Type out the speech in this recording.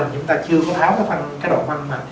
chúng ta chưa có tháo cái độ phân mà